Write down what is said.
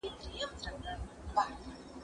که وخت وي، لاس پرېولم!!